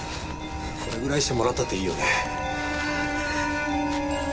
これぐらいしてもらったっていいよね。